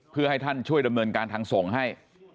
เพื่อให้ท่านช่วยดำเนินการทางส่งให้